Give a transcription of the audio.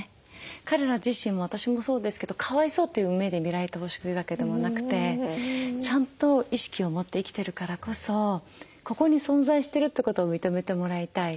彼ら自身も私もそうですけどかわいそうという目で見られてほしいわけでもなくてちゃんと意識を持って生きてるからこそここに存在してるってことを認めてもらいたい。